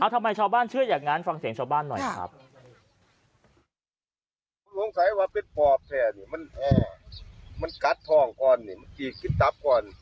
ทำไมชาวบ้านเชื่ออย่างนั้นฟังเสียงชาวบ้านหน่อยครับ